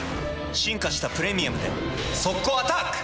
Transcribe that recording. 進化した「プレミアム」で速攻アタック！